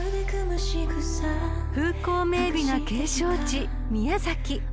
［風光明媚な景勝地宮崎］